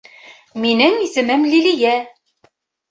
Минең исемем Лилиә